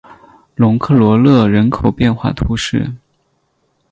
龙克罗勒人口变化图示